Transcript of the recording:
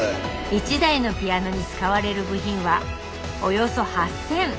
１台のピアノに使われる部品はおよそ８，０００。